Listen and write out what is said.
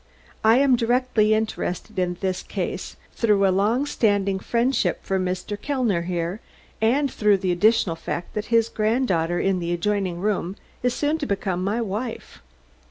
"I am directly interested in this case through a long standing friendship for Mr. Kellner here, and through the additional fact that his granddaughter in the adjoining room is soon to become my wife."